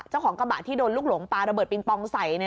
เจ้าของกระบะที่โดนลูกหลงปลาระเบิดปิงปองใส่